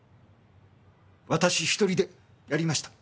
私１人でやりました。